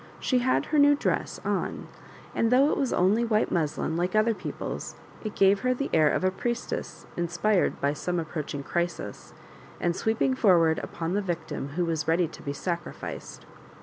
She had her new dress on, and though it was only white muslin like other people^ it gave her the air of a priestess inspired by some approaching crisis, and sweep ing forward upon the victim who was ready to be sacrificed.